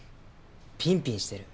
ピンピンしてる。